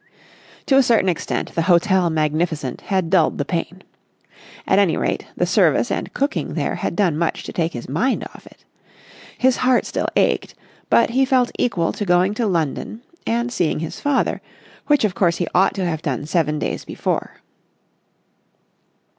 To a certain extent the Hotel Magnificent had dulled the pain. At any rate, the service and cooking there had done much to take his mind off it. His heart still ached, but he felt equal to going to London and seeing his father, which of course he ought to have done seven days before.